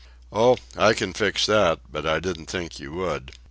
"Oh, I can fix that; but I didn't think you would."